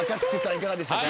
いかがでしたか？